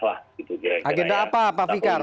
agenda apa pak fikar